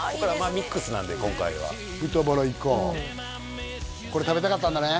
ミックスなんでね今回は豚バライカこれ食べたかったんだね